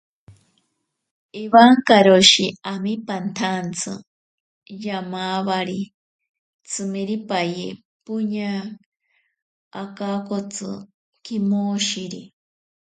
Ewankaroshi ami pantsantsi, yamawari tsimiripaye poña akakotsi kimoshiri.